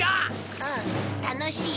うん楽しい。